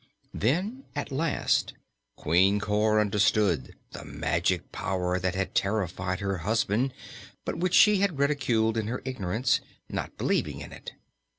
Then, at last, Queen Cor understood the magic power that had terrified her husband but which she had ridiculed in her ignorance, not believing in it.